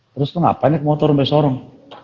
terus tuh ngapain naik motor sampe sorong